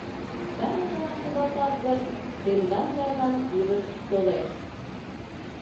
Старостылан шогалтат гын, тендан гайлан илыш толеш.